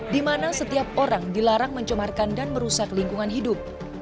di mana setiap orang dilarang mencemarkan dan merusak lingkungan hidup